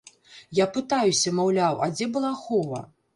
Я пытаюся, маўляў, а дзе была ахова?